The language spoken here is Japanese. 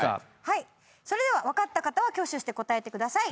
それでは分かった方は挙手して答えてください。